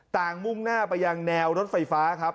มุ่งหน้าไปยังแนวรถไฟฟ้าครับ